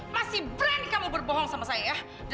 masih berani kamu berbohong sama saya